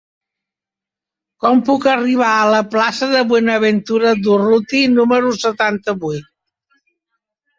Com puc arribar a la plaça de Buenaventura Durruti número setanta-vuit?